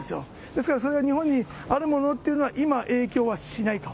ですからそれが日本にあるものっていうのは、今、影響はしないと。